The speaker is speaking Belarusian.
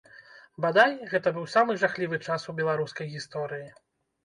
Бадай, гэта быў самы жахлівы час у беларускай гісторыі.